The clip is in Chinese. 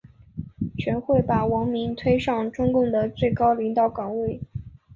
全会把王明推上中共的最高领导岗位。